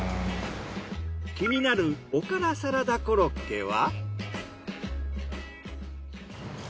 気になるおからサラダコロッケは？